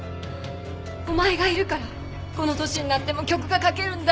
「お前がいるからこの年になっても曲が書けるんだ」